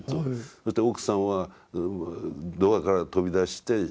そして奥さんはドアから飛び出して即死したと。